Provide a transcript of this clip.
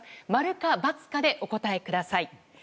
〇か×かでお答えください。